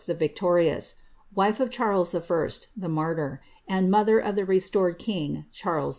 the Victorious; wife of Charles [^ the Martyr; and mother of the restored king, Charles II.